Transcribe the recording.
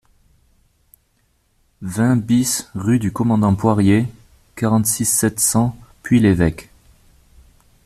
vingt BIS rue du Commandant Poirier, quarante-six, sept cents, Puy-l'Évêque